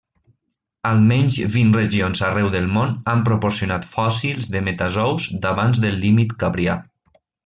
Almenys vint regions arreu del món han proporcionat fòssils de metazous d'abans del límit cambrià.